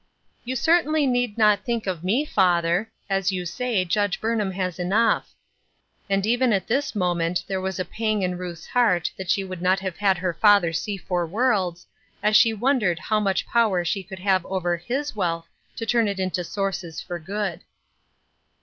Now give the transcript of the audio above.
" You certainly need not think of me, father. As you say. Judge Burnham has enough." And even at this moment there was a pang in Ruth's heart that she would not have had her father see for worlds, as she wondered how much power she could have over his wealth to turn it into sources for good.